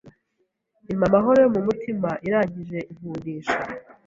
impa amahoro yo mu mutima, irangije inkundisha